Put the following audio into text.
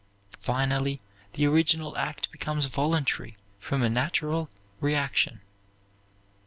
Finally the original act becomes voluntary from a natural reaction.